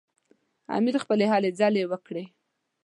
امیر خپلې هلې ځلې وکړې.